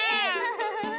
フフフフ！